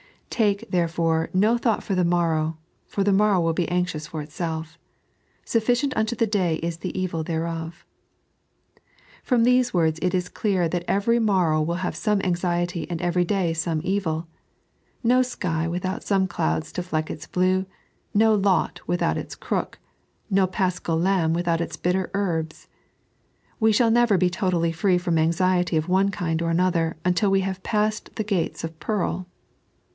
"Take, therefore, no thought for the morrow, for the morrow will be anxious for itself. Sufficient unto the day is the evil thereof." From these words it is clear that every morrow will have some anxiety, and every day some evil. No sky without some clouds to fleck its blue, no lot without its crook, no Paschal lamb without its bitter herbs. We shall never be totally free from anxiety of one kind or another untQ we have passed the gates of pearl.